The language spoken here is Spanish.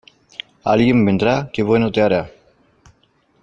Alguien vendrá que bueno te hará.